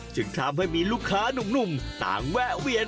จึงทำให้มีลูกค้านุ่มต่างแวะเวียน